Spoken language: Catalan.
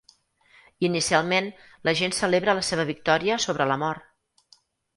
Inicialment, la gent celebra la seva victòria sobre la mort.